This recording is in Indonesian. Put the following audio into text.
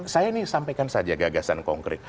saya ini sampaikan saja gagasan konkret